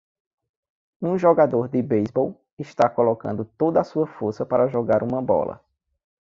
Um jogador de beisebol está colocando toda a sua força para jogar uma bola.